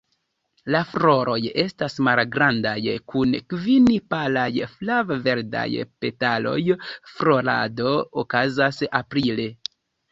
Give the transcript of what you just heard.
La floroj estas malgrandaj, kun kvin palaj flav-verdaj petaloj; florado okazas aprile.